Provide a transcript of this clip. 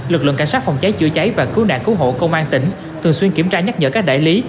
lực lượng cảnh sát phòng cháy chữa cháy và cứu nạn cứu hộ công an tỉnh thường xuyên kiểm tra nhắc nhở các đại lý